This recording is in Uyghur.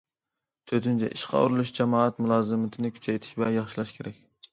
تۆتىنچى، ئىشقا ئورۇنلىشىش جامائەت مۇلازىمىتىنى كۈچەيتىش ۋە ياخشىلاش كېرەك.